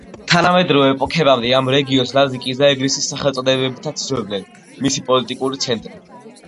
თანამედროვე ეპოქამდე ამ რეგიონს ლაზიკის და ეგრისის სახელწოდებებითაც იცნობდნენ, მისი პოლიტიკური ცენტრი